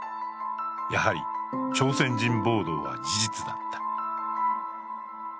やはり朝鮮人暴動は事実だった。